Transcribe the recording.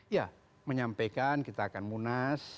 ya menyampaikan kita akan munas